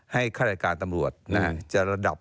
ให้คัตรการตำรวจ